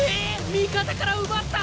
味方から奪った！？